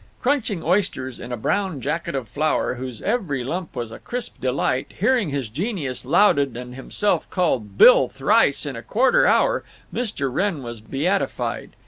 Crunching oysters in a brown jacket of flour, whose every lump was a crisp delight, hearing his genius lauded and himself called Bill thrice in a quarter hour, Mr. Wrenn was beatified.